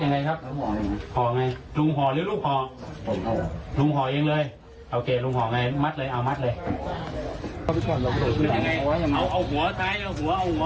หัวเอาหัวไปไหนครับ